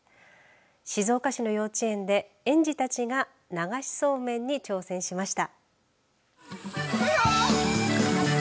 静岡市の幼稚園で園児たちが流しそうめんに挑戦しました。